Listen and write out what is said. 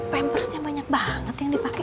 pampersnya banyak banget yang dipakai